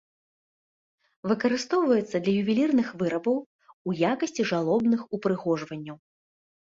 Выкарыстоўваецца для ювелірных вырабаў, у якасці жалобных упрыгожванняў.